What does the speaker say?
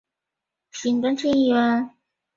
提萨斐尼声称他亲自杀死了叛逆。